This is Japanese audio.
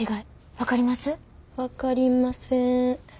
分かりません。